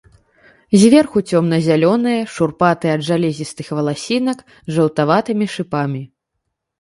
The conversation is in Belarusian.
Зверху цёмна-зялёнае, шурпатае ад жалезістых валасінак, з жаўтаватымі шыпамі.